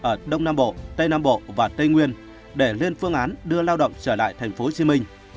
ở đông nam bộ tây nam bộ và tây nguyên để lên phương án đưa lao động trở lại tp hcm